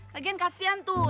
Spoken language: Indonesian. lagian kasian tuh